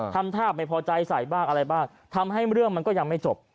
ทำท่าไม่พอใจใส่บ้างอะไรบ้างทำให้เรื่องมันก็ยังไม่จบ